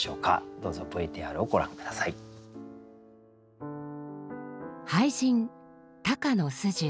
どうぞＶＴＲをご覧下さい。